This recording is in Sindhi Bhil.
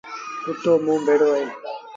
ڪتو موݩ بيڙو اهي